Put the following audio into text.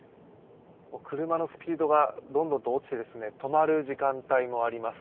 車のスピードがどんどんと落ちて止まる時間帯もあります。